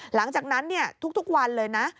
หลังจากนั้นทุกวันเลยนะ